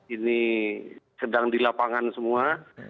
ini sedang di lapangan semua